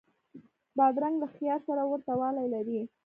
بادرنګ له خیار سره ورته والی لري.